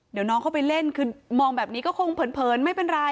เดี๋ยวน้องเข้าไปเล่นคือมองแบบนี้ก็คงเผินไม่เป็นไร